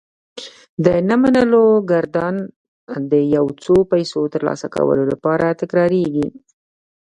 د نه منلو ګردان د يو څو پيسو ترلاسه کولو لپاره تکرارېږي.